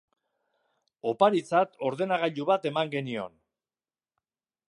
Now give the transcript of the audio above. Oparitzat ordenagailu bat eman genion.